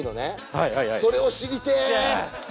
はいはいはいそれを知りてえ！